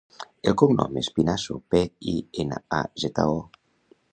El cognom és Pinazo: pe, i, ena, a, zeta, o.